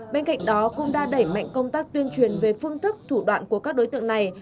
bên cạnh đó cũng đã đẩy mạnh công tác tuyên truyền về phương thức thủ đoạn của các đối tượng này